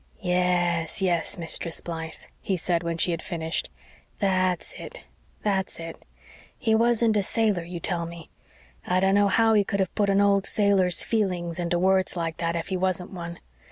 "Yes, yes, Mistress Blythe," he said, when she had finished, "that's it, that's it. He wasn't a sailor, you tell me I dunno how he could have put an old sailor's feelings into words like that, if he wasn't one.